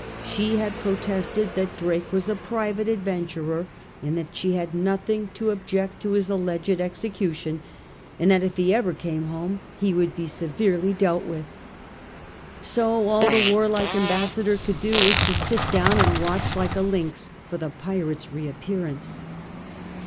She had protested that Drake was a private adventurer, and that she had nothing to object CHAP. VII GALLOWS OR KNIGHTHOOD? 89 / to his alleged execution, and that if he ever came home he would be severely dealt with. So all the warlike ambassador could do was to sit down and watch like a lynx for the pirate's reappearance.